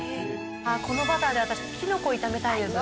このバターで私、きのこ炒めたいです。